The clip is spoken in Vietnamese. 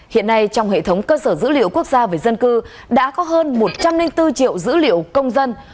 hiện nay trong hệ thống cơ sở dữ liệu quốc gia về dân cư đã có hơn một trăm linh bốn triệu dữ liệu công dân